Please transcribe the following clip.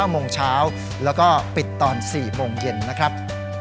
โมงเช้าแล้วก็ปิดตอน๔โมงเย็นนะครับ